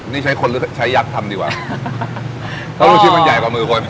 นี่ใช้คนหรือใช้ยักษ์ทำดีกว่าเพราะลูกชิ้นมันใหญ่กว่ามือคน